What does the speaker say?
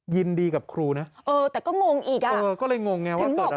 ยินดีกับครูนะแต่ก็งงอีกถึงบอกว่า